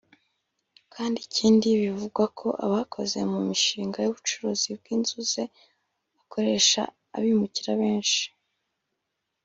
Ikindi kandi bivugwa ko abakoze mu mu mishinga y’ubucuruzi bw’inzu ze akoresha abimukira benshi